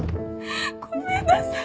ごめんなさい！